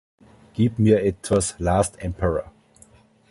Gib mir etwas Last Emperor